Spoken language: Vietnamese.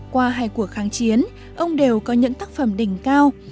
qua hai cuộc kháng chiến ông đều có những tác phẩm đỉnh cao